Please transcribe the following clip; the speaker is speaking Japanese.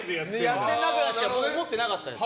やってんなーぐらいにしか思ってなかったです。